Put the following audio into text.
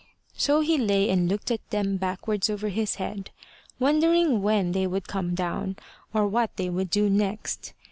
So he lay and looked at them backwards over his head, wondering when they would come down or what they would do next.